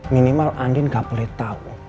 minimal andin gak boleh tau